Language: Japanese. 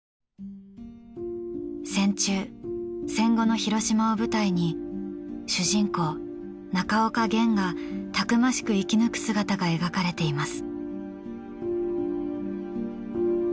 戦中・戦後の広島を舞台に主人公中岡元がたくましく生き抜く姿が描かれています。